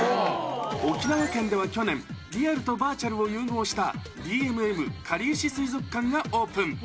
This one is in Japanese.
沖縄県では去年、リアルとバーチャルを融合した、ＤＭＭかりゆし水族館がオープン。